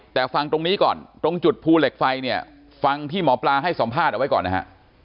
แต่ฟังตรงนี้ก่อนตรงจุดภูเหล็กไฟเนี่ยฟังที่หมอปลาให้สัมภาษณ์เอาไว้ก่อนนะฮะ